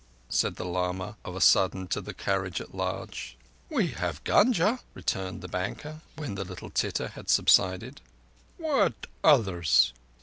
said the lama of a sudden to the carriage at large. "We have Gunga," returned the banker, when the little titter had subsided. "What others?"